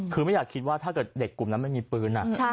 คือไม่อยากคิดว่าถ้าเกิดเด็กกลุ่มนั้นไม่มีปืน